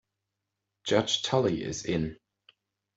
Judge Tully is in.